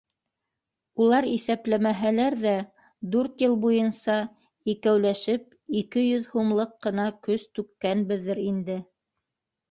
Улар иҫәпләмәһәләр ҙә, дүрт йыл буйынса икәүләшеп ике йөҙ һумлыҡ ҡына көс түккәнбеҙҙер инде.